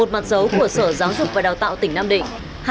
một mặt dấu của sở giáo dục và đào tạo tỉnh nam định